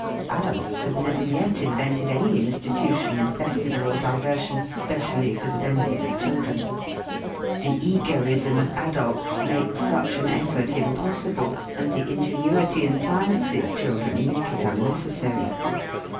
Adults have never yet invented any in stitution, festival or diversion specially for the benefit of children. The egoism of adults makes such an effort impos THE FEAST OF ST FRIEND sible, and the ingenuity and pliancy of children make it unnecessary.